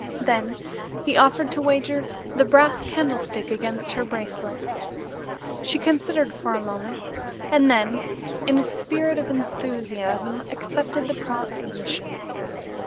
Then he offered to wager the brass candlestick against her bracelet. She considered for a moment and then, in a spirit of enthusiasm, accepted the proposition.